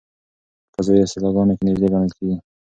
په فضایي اصطلاحاتو کې نژدې ګڼل کېږي.